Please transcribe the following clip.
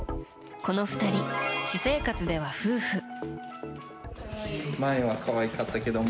この２人、私生活では夫婦。